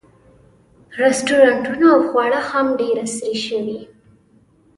رسټورانټونه او خواړه هم ډېر عصري شوي.